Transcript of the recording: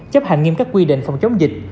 chấp hành nghiêm các quy định phòng chống dịch